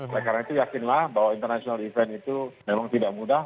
oleh karena itu yakinlah bahwa international event itu memang tidak mudah